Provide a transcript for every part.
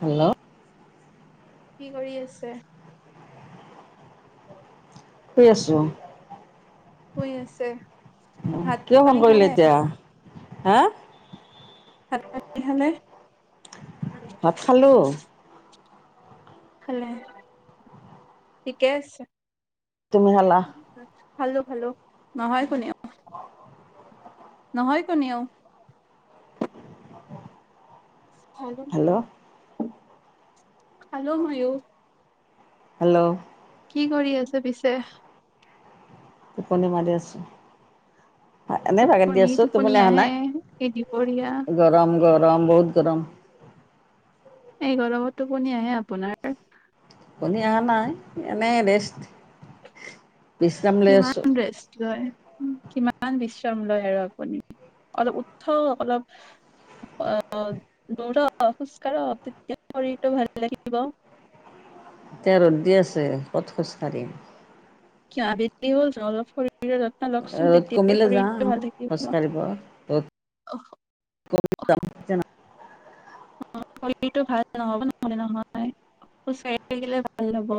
Hello! কি কৰি আছে? শুই আছো। শুই আছে? ভাত কিয় ফোন পানী কৰিলি খালে? এতিয়া? হা ভাত পানী খালে? ভাত খালো। খালে। ঠিকে আছে। তুমি খালা? খালো খালো। নহয় কোনেও। নহয় কোনেও। ভালে হেল্ল' [unintelligible] খালো মইও। হেল্ল! কি কৰি আছে পিছে? টোপনি মাৰি আছো। টোপনি টোপনি আহে এই দিপৰীয়া গৰম গৰম বহুত গৰম এই গৰমটো কোনে আহে আপোনাৰ টোপনি আহা নাই এনেই ৰেষ্ট বিশ্ৰাম লৈ আছোঁ কিমান ৰেষ্ট লয় কিমান বিশ্ৰাম লয় আৰু আপুনি অলপ উঠক অলপ আহ দৌৰক খোজ কাঢ়ক তেতিয়া শৰীৰটো ভাল লাগিব এতিয়া ৰ'দ দি আছে ক'ত খোজকাঢ়িম কিয় আবেলি হ'ল চোন অলপ ফুৰিব ৰ'দ কমিলে যাওঁ খোজ কাঢ়িব ৰ'দ কমি অ শৰীৰটো ভাল নহ'ব নহ'লে নহয় খোজ কাঢ়ি থাকিলে ভাল হ'ব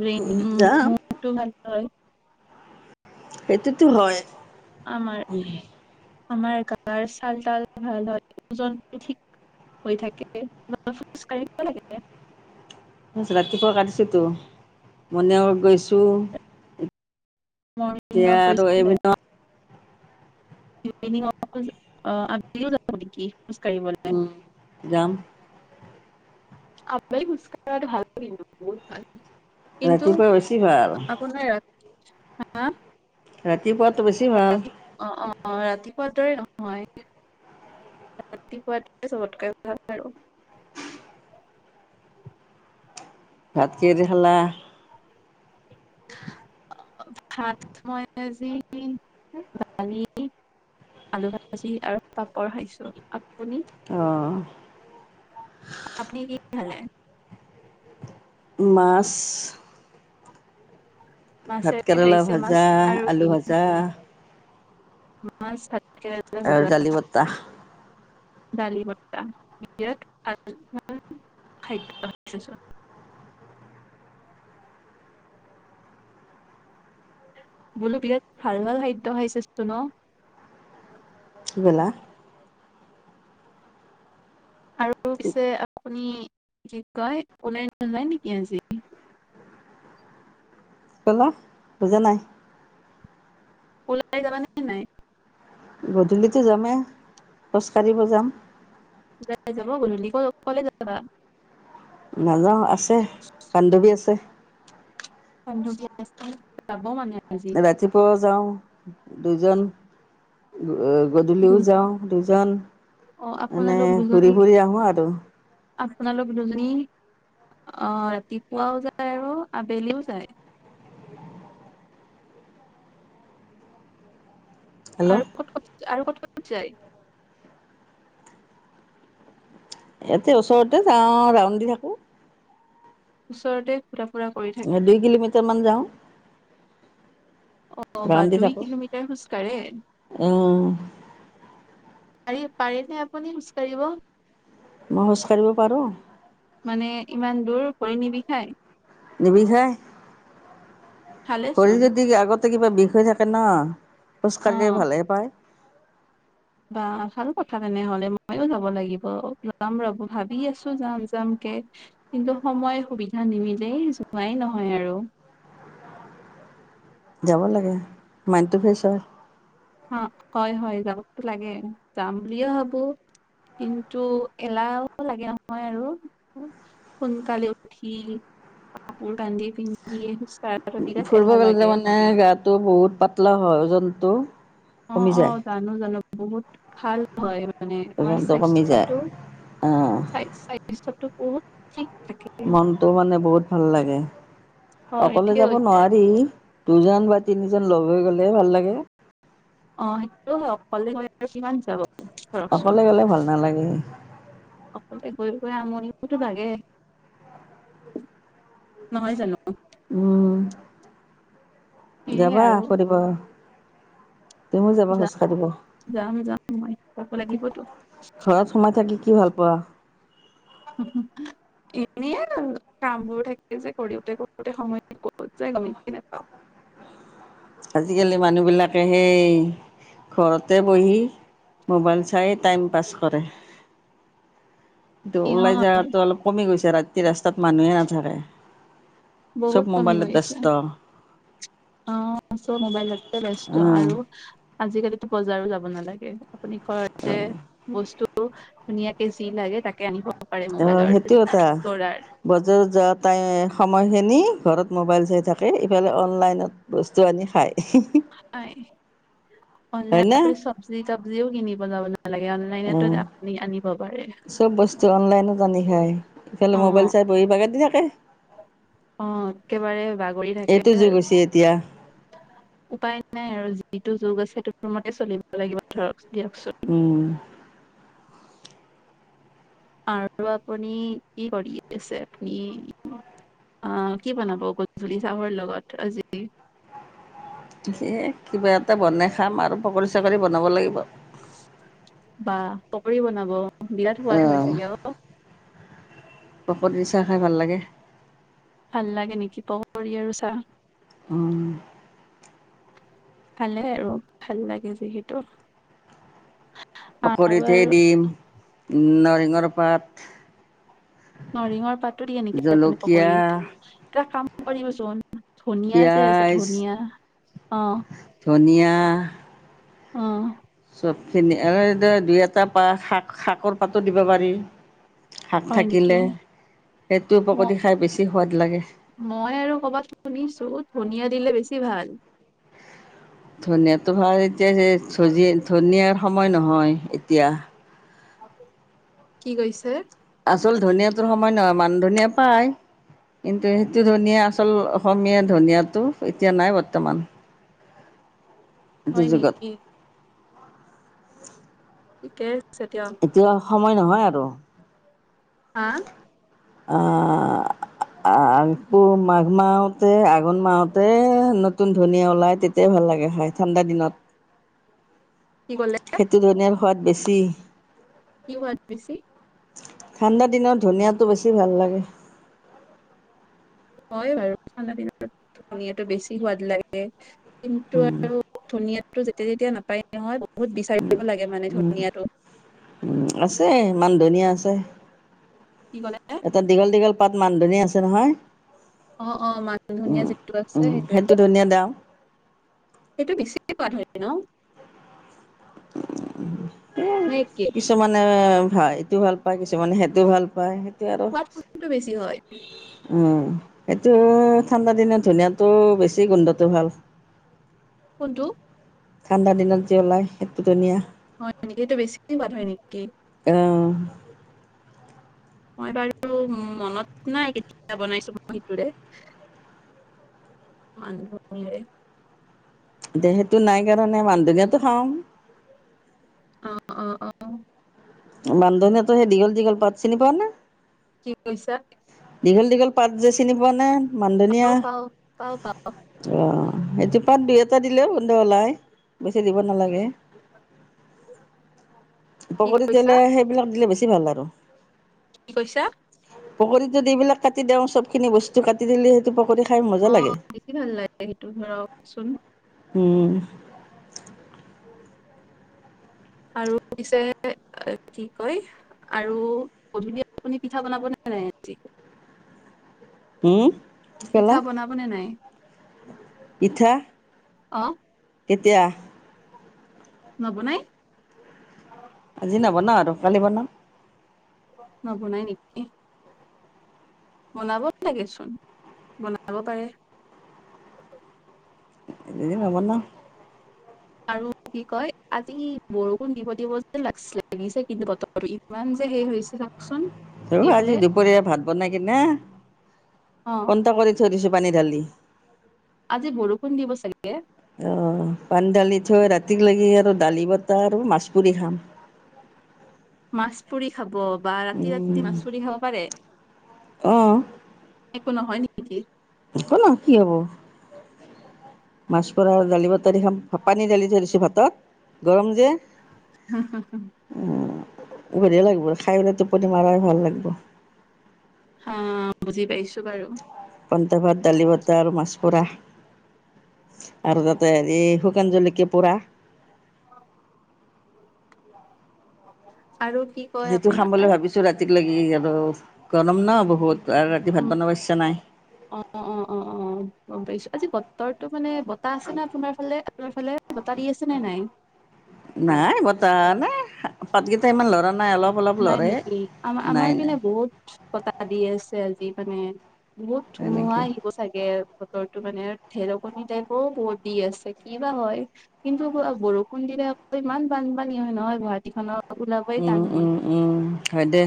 ব্ৰেইন উ যাম মনটো ভাল হয় সেইটোতো হয় আমাৰ উমহ আমাৰ গাৰ ছাল তাল ভাল হয় ওজন ঠিক হৈ থাকে খোজ কাঢ়িব লাগে ৰাতিপুৱা কাটিছোঁ টো মণিয়া ঘত গৈছোঁ মৰ্ণিং এতিয়া ৱাক আৰু এই ভিনত [unintelligible] আপুনিও যাব নেকি খোজ কাঢ়িবলে উম যাম [unintelligible] খোচকাঢ়াটো ভাল বহুত ভাল ৰাতিপুৱা বেছি ভাল হা ৰাতি ৰাতিপুৱা অ অ ৰাতি ৰাতিপুৱাৰ দৰে নহয় ৰাতিপুৱা দোৰিলে চবতকৈ ভাল আৰু ভাত কিহে দি খালা ভাত মই আজি, দালি আলু ভাজি আৰু পাপৰ খাইছোঁ। আপুনি, অঁ আপুনি কি দি খালে? মাছ, ভাত মাছেৰে কেৰেলা খাইছে মাছ ভাজা, আৰু আলু শিঙি ভাজা, মাছ ভাত, আৰু দালি বত্তা। ডালি বট্টা, বি [unintelligible] বোলো বিৰাট ভাল ভাল খাদ্য খাইছা চোন ন? বেলা। আৰু পিছে আপুনি, কি কয়, কোনেও নেযায় নেকি আজি? কলো। বুজা নাই। ওলাই যাবা নে নাই? গধূলিটো যামেই খোজ কাঢ়িব যাম। যাই যাব বোলোঁ, গলে ক ক'লে যাবা? নাযাওঁ। আছে, বান্ধৱী আছে। বান্ধবীয়ে নেক্সট টাইম যাব মানে! আজি এ ৰাতিপুৱাও যাওঁ। দুজন, উম। এ গধূলিও দুজন। যাওঁ দুজন, অ মানে আপোনালোক দুজনী ঘূৰি ফুৰি আহোঁ আৰু। আপোনালোক দুজনী, আহ ৰাতিপুৱাও যায় আৰু আবেলিও যায়। হেল্ল' আৰু ক'ত ক'ত, আৰু ক'ত ক'ত যায়? ইয়াতে ওচৰতে যাওঁ, ৰাউন দি থাকো। ওচৰতে, ঘুৰা ফুৰা কৰি থাকে অ দুই কিলোমিটাৰ মান যাওঁ। অ, বা ৰাউণ্ডি দুই থাকোঁ কিলোমিটাৰ খোজকাঢ়ে? পাৰি, পাৰে নে আপুনি খোজকাঢ়িব? ম‌ই খোজ কঢ়িব পাৰোঁ। মানে ইমান দূৰ, ভৰি নিবিষায়? নিবিষায়। ভালেচোন শৰীৰ যদি আগত, তে কিবা বিষ হৈ থাকে ন, অ খোজকাঢ়িলে ভালহে পায়। বা ভাল কথা তেনেহলে ময়ো যাব লাগিব। যাম ৰ। ভাবি আছো যাম যাম কে কিন্তু সময় সুবিধা নিমিলেই, যোৱাই নহয় আৰু। যাব লাগে, মাইণ্ডটো ফ্ৰেছ হয়। অ হয় হয়, যাবতো লাগে। যাম বুলিয়ে ভাবো, কিন্তু এলাহও লাগে নহয় আৰু। সোনকালে উঠি, কাপোৰ কানি পিন্ধি। কঢ়াটো বিৰাট ফুৰিব এলাহ গ'লে ত লাগে মানে গাটো বহুত পাতলা হয়, যত নটো। অ অ জানো জানো বহুত ভাল হয় মানে আমাৰ ওজনটো কমি যায় স্বাস্থ্যটো স্বাস্থ্য ত মনটো মানে বহুত ভাল লাগে উ হয় অকলে ঠিকে যাব হৈছে নোৱাৰি দুজন বা তিনিজন লগ হৈ গলে ভাল লাগে অ সেইটো অকলে কিমান চাব অকলে গ'লে ভাল নালাগে অকলতে গৈ গৈ আমনিতো লাগে নহয় জানো উ সেয়ে যাবা আৰু কৰিব যাম যাম যাম মই যাব লাগিবতো ঘৰত সোমাই থাকি কি ভাল পোৱা? এ কামবোৰ থাকে যে কৰোতে কৰোতে সময় কৰ যে গমে নাপাওঁ আজিকালি মানুহবিলাকে সেই ঘৰতে বহি মোবাইল চাই টাইম পাছ কৰে তটো ওলাই সিহঁত যোৱাতো অলপ কমি গৈছে ৰাতি তি তাত মানুহে নাথাকে চব বহুত কমি মোবাইলত গৈছে ব্যস্ত আহ চব মোবাইল এতে বস্ত উম আৰু আজিকালিতো বজাৰো যাব নালাগে আপুনি ঘৰতে বস্তু ধুনীয়াকে যি লাগে তাকে আনিব পাৰে অ মোবাইলৰ সেইটো এটা দ্বাৰাৰ বজাৰত যোৱা তাই সময় খিনি ঘৰত মোবাইল চাই থাকে ইফালে অনলাইনত বস্তু আনি খায় অনলাই চব্জ তাব্জি কিনি ন বনাবলৈ [unintelligible] অ চব বস্তু অনলাইনত আনি খায় ইফালে মোবাইল অ'। চাই বহি বাগে দি থাক তে অ একেবাৰে বাগৰি থাকে এইটো যুগ আৰু হৈছে এতিয়া উপায় নাই আৰুি যিটো যুগ আছে সেইটো মতে চলিব লাগিব ধৰক দিয়কচোন উম আৰু আপুনি কি কৰি আছে আপুনি আহ কি বনাব গধুলি চাহৰ লগত আজি সেয়ে কিবা এটা বনাই খাম আৰু পকৰী চাকৰি বনাব লাগিব বা পকৰি বনাব বিৰাট সোৱাদ হয় চাগে অ পকৰি দি চাহ খাই ভাল লাগে ভাল লাগে নেকি পকৰি আৰু চাঁ উম ভালে আৰু ভাল লাগে যিহেতু আৰু পকৰীত হে আৰু দিম নৰসিংহৰ পাত নৰসিংহ পাতো দিয়ে নেকি আপুনি জলকীয়া পকৰীত এ কাম কৰিবচোন ধনিয়া যে আছে পিয়াজ ধনিয়া অ ধনিয়া অঁ গোটেইখিনি দুই এটা পাত শাক শাকৰ পাতো দিব পাৰি শাক হয় নেকি থাকিলে সেইটো ম পকৰী খাই বেছি সোৱাদ লাগে মই আৰু ক'বাত শুনিছো ধুনীয়া দিলে বেছি ভাল ধনীয়াতটো ভাল এতিয়া যে ধনীয়াৰ সময় নহয় এতিয়া কি কৈছে আচল ধনীয়াটোৰ সময় নহয় মানহ ধনীয়া পায় কিন্তু সেইটো ধনীয়া আচল অসমীয়া ধনীয়াটো এতিয়া নাই বৰ্তমান এইটো হয় যুগত নেকি তাকে যেতিয়াই এতিয়া সময় নহয় আৰু হাঁ আঁহ আঁহ পুহ মাঘ মাহতে আঘোণ মাহতে নতুন ধনীয়া ওলাই তেতিয়াই ভাল লাগে খাই ঠাণ্ডা দিনত কি কলে সেই তো ধনীয়াৰ সোৱাদ বেছি কি সোৱাদ বেছি ঠাণ্ডা দিনত ধনীয়াটো বেছি ভাল লাগে হয় বাৰু ঠাণ্ডা দিন ধনীয়াটো বেছি সোৱাদ লাগে কিন্তু উম আৰু ধুনীয়া তো যেতিয়া যেতিয়া নাপায় নহয় বহুত বিচাৰিব লাগে মানে উম ধনিয়াটো উম আছে মান ধনীয়া আছে ছে কি ক'লে এটা দীঘল দীঘল পাত মানধনীয়া আছে নহয় অঁ অঁ মান ধনীয়া উম যিটো আছে উম সেইটো সেইটোৱে ধনিয়া দাম সেইটো বেছি সোৱাদ হয় ন উম এ নে একে কিছুমানে হয় এইটোও ভাল পায় কিছুমানে সেইটো ভাল পায় আৰু সোৱাদ কোনটোৰ বেছি হয় উম সেটো ঠাণ্ডা দিন ধুনীয়াতটো বেছি গোন্ধটো ভাল কোনটো ঠাণ্ডা দিনত যি ওলাই সেইটো ধুনীয়া হয় নেকি সেইটো বেছি সোৱাদ হয় নেকি অ মই বাৰু মনত নাই কেতিয়া বনাইছো মই সিটোৰে মানু এতিয়া সেইটো নাই কাৰণে মান ধনীয়াটো খাওঁ অ অ অ মান ধনীয়াতো সেই দীঘল দীঘল পাত চিনি পোৱা নে কি কৈছা দীঘল দীঘল পাত যে চিনি পোৱা না মানদনীয়া পাও পাও পাও পাও অ সেইটো পাত দুই এটা দিলেও গোন্ধ ওলাই বেছি দিব নালাগে কি পকতি কৈছা তেলে সেইবিলাক দিলে বেছি টো ভাল আৰু কি কৈছা পক য এইবিলাক কাটি দিওঁ চব খিনি বস্তু কাটি দিলে সেইটো পকৰি অ বেছি ভাল লাগে সেইটো ধৰাকচোন উ আৰু পিছে কি কয় আৰু গধূলি আপুনি পিঠা বনাবনে নাই আজি হম কি ক'লা? পিঠা বনাবনে নাই পিঠা অ কেতিয়া নব নাই আজি নবনাওঁ আৰু কালি বনাওঁ নৱনাই বনাবই লাগেচোন বনাব পাৰে এ নহব ন আৰু কি কয় আজি বৰষুণ দিব দিব যেন লাগিছে কিন্তু বতৰটো ইমান যে হে হৈছে চাওকচোন ৰ এইফালে আজি দুপৰীয়া ভাত বনাই কিনে অ', কোনটা কৰি থৈ দিছো পানী ঢালি আজি বৰষুণ দিব চাগে আহ পানধলি চ ৰা ৰাতিক লাগি আৰু দালি বতাহ আৰু মাছ পুৰি খাম মাছ পুৰি খাব বা ৰাতি ৰাতি মাছ পৰি খাব পাৰে আহ ো নহয় নেকি আ ক ন কি হব মাছ প দালি ব তাৰখ পানী দালি থ দিছো ভাতত গৰম যে হ হ হ ভৰি লাগিব খাই পেলাই টোপনি মৰাই ভাল লাগিব হ বুজি পাইছো বাৰু কন্তা ভাত দালি ভতা আৰু মাছ পোৰা আৰু তাতে হেৰি শুকান জলকীয়া পোৰা অ আৰু কি কয় সেইটো খাম বুলি আপোনাৰ ভাবিছো ৰাতিপুৱা লাগি আৰু আৰু গৰম ন বহুত ত আৰু ৰাতি ভাত উম, বনাব ইচ্ছা নাই অ', তইটো মানে বতটা আছে নে আপোনাৰ ফালে আপোনাৰ ফালে বটাহ দি আছে নে নাই পতি কিটাইমান লৰা নাই অলপ অলপ নাই লৰে। নেকি আমাৰ নাই আমাৰ পিনে নাই বহুত কটাাহ দি আছে আজি আানে বহুত ধুমুহা এনেকে আহিব চাগে বতৰো মানে ঢেৰকনি টাইপও বু দি আছে ক বাা হয় কিন্তু বৰষুণ দিলে আকৌ ইমান বানপানী হয় নহয় গুৱাহাটী খনৰ উওলয় তা উম নহয় উম হয় দে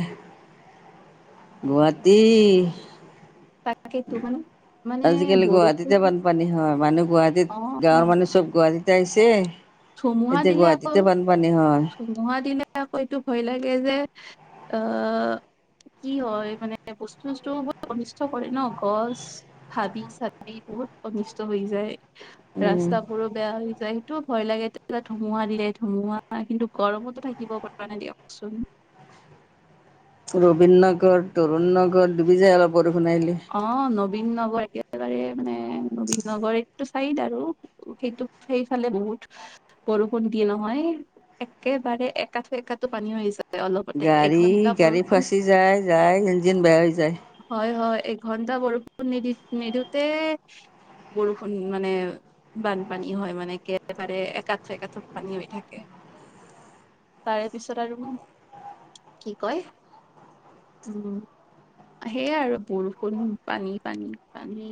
গুৱাহাটী তাকেইতো মানে মানে আজিকালি গুৱাহাটীতে বৰষুণ বানপানী হয় মানুহ গুৱাহাটীত গাঁৱৰ মানুহ চব গুৱাহাটীত তাইছে ধমুহা দিলে আকৌ হয় ঝু [unintelligible] মুহা দিলে আকৌ এইটো ভয় লাগে যে আহ কি হয় মানে বস্তু ব্তু বহুত অনিষ্ট কৰে ন গছ হাবি চাবি বহুত অনিষ্ট হৈ যায় উম। ৰাস্তা বোৰো বেয়া হৈ যায় সেইটোও ভয় লাগে তেতিয়া ধুমুহা দিলে ধুমুহা কিন্তু গৰমোতো থাকিব পৰা নাই দিয়কচোন ৰবীন নগৰ তৰুণ নগৰ দুবি যোই অলপ আহিলে। অ নবীন নগৰ একেবাৰে মানে নবীন নগৰ চাইড আৰু সেইটো সেইফালে বহুত বৰষুণ দিয়ে নহয় একেবাৰে এঠো এটোো পানী হৈ আহি যায় অলপতে গাড়ী এঘন্টা গাড়ী বৰষুণ ফাচি যায় যায় ইঞ্জিন বেয়া হৈ যায় ঘন্টা বৰষুণ নিদি নিদিোতে বৰষুণ মানে বানপানী হয় মানে একেবাৰে এঠ এঠো পানী হৈ থাকে তাৰে পিছত আৰু কি কয় উম সেয়াই আৰু বৰষু পানী পানী পানী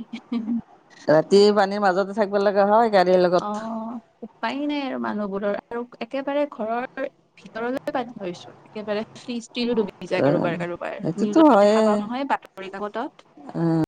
ৰাতি পানীৰ মাজতে থাকিব লগাগা হয় গাড়ীৰ লগত। অ উপায় নাই আৰু মানুহবোৰৰ আৰু একেবাৰে ঘৰৰ ভিতৰলৈ পান্ধী থৈছো একেবাৰে ফ্ৰিজ লো ডুবি যায় অ' কাৰোবাৰ কাৰোবাৰ সেইটোতো নিউজত দেখা পাও হয়ে। নহয় বাতৰি কাকতত